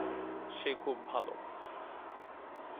সে খুব ভাল